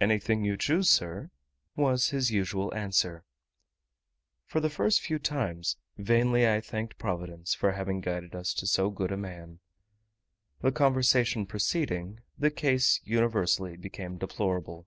"Anything you choose, sir," was his usual answer. For the few first times, vainly I thanked providence for having guided us to so good a man. The conversation proceeding, the case universally became deplorable.